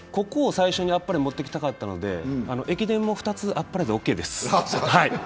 ここを最初にあっぱれ持ってきたかったので、駅伝も２つ、あっぱれでオーケーです。